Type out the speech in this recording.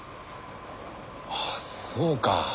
ああそうか。